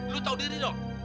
lu tau diri dong